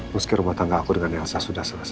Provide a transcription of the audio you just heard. ruski rumah tangga aku dengan yansa sudah selesai